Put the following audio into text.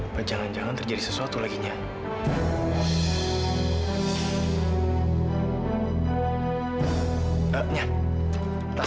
bahwa jangan jangan terjadi sesuatu laginya